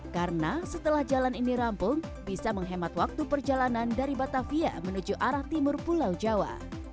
karena setelah jalan ini rampung bisa menghemat waktu perjalanan dari batavia menuju arah timur pulau jawa